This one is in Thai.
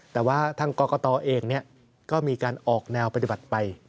แต่ว่าทางกรกตเองก็มีการออกแนวปฏิบัติไป